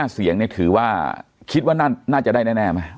๒๕เสียงคิดว่าน่าจะได้แน่ไหม